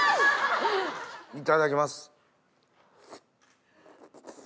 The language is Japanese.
いただきます。